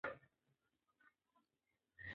هغه د ساده ژوند هڅه کوله.